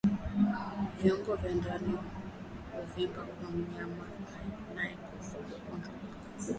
Viungo vya ndani huvimba kwa mnyama aliyekufa kwa ugonjwa wa mapafu